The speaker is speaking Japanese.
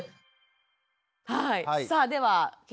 はい。